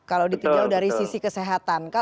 kalau ditujau dari sisi kesehatan